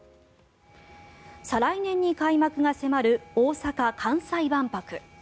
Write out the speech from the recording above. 再来年に開幕が迫る大阪・関西万博。